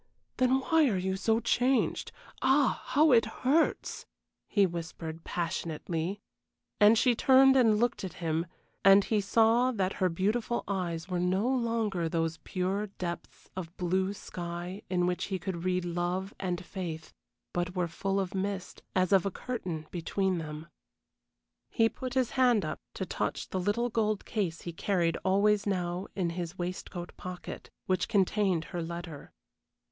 Then why are you so changed? Ah, how it hurts!" he whispered, passionately. And she turned and looked at him, and he saw that her beautiful eyes were no longer those pure depths of blue sky in which he could read love and faith, but were full of mist, as of a curtain between them. He put his hand up to touch the little gold case he carried always now in his waistcoat pocket, which contained her letter.